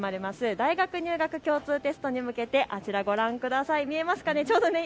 大学入学共通テストに向けてあちら、ご覧ください。